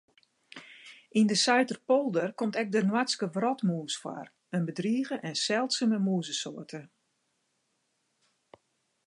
Yn de Saiterpolder komt ek de Noardske wrotmûs foar, in bedrige en seldsume mûzesoarte.